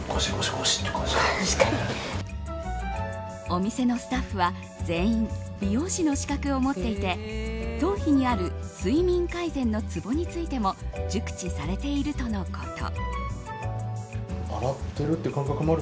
お店のスタッフは全員美容師の資格を持っていて頭皮にある睡眠改善のツボについても熟知されているとのこと。